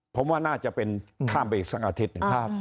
ผมว่าน่าจะเป็นข้ามไปอีกสักอาทิตย์หนึ่ง